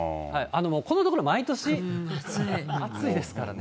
もうこのところ、毎年暑いですからね。